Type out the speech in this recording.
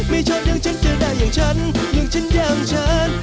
ไม่ชอบอย่างฉันจะได้อย่างฉันอย่างฉันอย่างฉัน